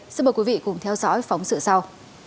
xin mời quý vị cùng theo dõi phóng sự sau